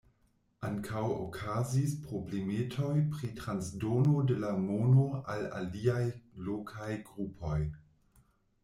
Ankaŭ okazis problemetoj pri transdono de la mono al aliaj lokaj grupoj.